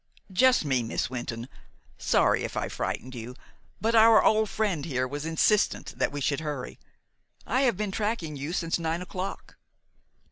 "Just me, Miss Wynton. Sorry if I have frightened you, but our old friend here was insistent that we should hurry. I have been tracking you since nine o'clock."